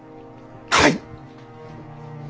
はい！